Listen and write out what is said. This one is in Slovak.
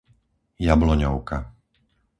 Jabloňovka